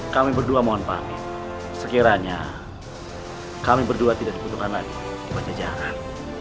kami berdua mohon paham sekiranya kami berdua tidak dibutuhkan lagi di pajajaran